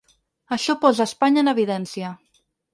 Això posa Espanya en evidència.